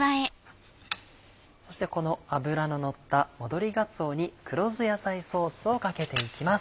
そしてこの脂ののった戻りがつおに黒酢野菜ソースをかけていきます。